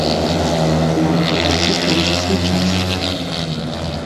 Нават у такі крызісны час.